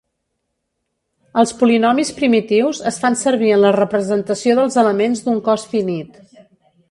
Els polinomis primitius es fan servir en la representació dels elements d'un cos finit.